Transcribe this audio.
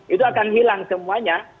itu akan hilang semuanya